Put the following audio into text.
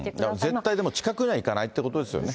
絶対でも、近くにはいかないということですよね。